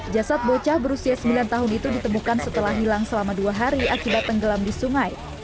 jasad bocah berusia sembilan tahun itu ditemukan setelah hilang selama dua hari akibat tenggelam di sungai